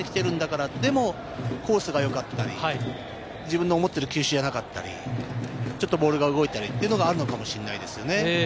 でもコースが良かったり、自分の思っている球種じゃなかったり、ボールが動いたりというのがあるのかもしれないですね。